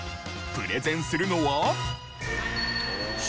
プレゼンするのは。